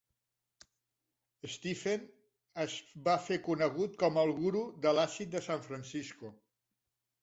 Stephen es va fer conegut com el "guru de l'àcid de San Francisco".